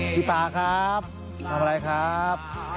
ป่าครับทำอะไรครับ